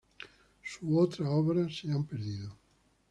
Sus otras obras se han perdido.